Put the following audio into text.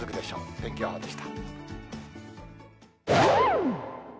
天気予報でした。